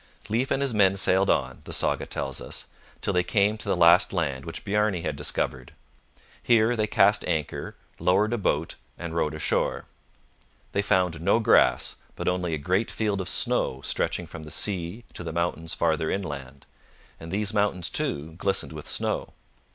Leif and his men sailed on, the saga tells us, till they came to the last land which Bjarne had discovered. Here they cast anchor, lowered a boat, and rowed ashore. They found no grass, but only a great field of snow stretching from the sea to the mountains farther inland; and these mountains, too, glistened with snow.